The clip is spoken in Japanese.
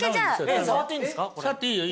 触っていいよ。